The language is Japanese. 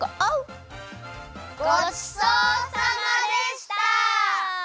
ごちそうさまでした！